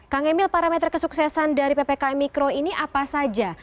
kang emil parameter kesuksesan dari ppkm mikro ini apa saja